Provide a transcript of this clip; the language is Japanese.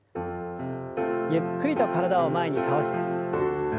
ゆっくりと体を前に倒して。